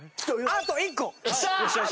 あと１個！